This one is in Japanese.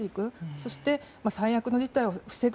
そして、最悪の事態を防ぐ。